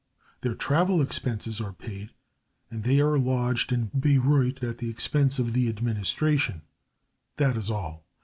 Their travel expenses are paid and they are lodged in Bayreuth at the expense of the administration that is all.